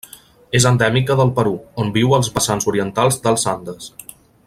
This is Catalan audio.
És endèmica del Perú, on viu als vessants orientals dels Andes.